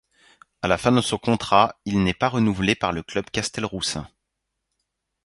À la fin de son contrat, il n'est pas renouvelé par le club castelroussin.